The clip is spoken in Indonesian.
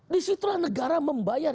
disitulah negara membayar